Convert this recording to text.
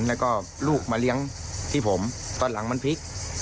แล้วก็ลูกมาเลี้ยงที่ผมตอนหลังมันพลิก